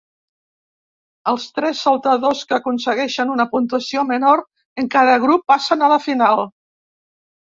Els tres saltadors que aconsegueixen una puntuació menor en cada grup passen a la final.